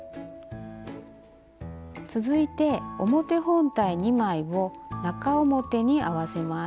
続いて表本体２枚を中表に合わせます。